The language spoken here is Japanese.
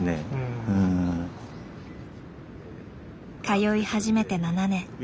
通い始めて７年。